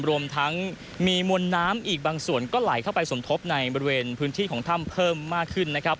รวมทั้งมีมวลน้ำอีกบางส่วนก็ไหลเข้าไปสมทบในบริเวณพื้นที่ของถ้ำเพิ่มมากขึ้นนะครับ